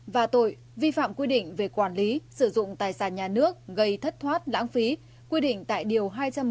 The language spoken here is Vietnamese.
và tội vi phạm quy định về quản lý sử dụng tài sản nhà nước gây thất thoát lãng phí quy định tại điều hai trăm một mươi hai